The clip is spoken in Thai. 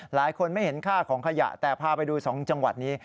หลายคนไม่เห็นค่าของขยะแต่พาไปดู๒จังหวัดนี้